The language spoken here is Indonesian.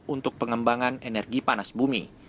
untuk pengembangan energi panas bumi